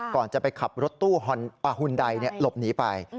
ก่อนจะไปขับรถตู้หุ่นใดหลบหนีไป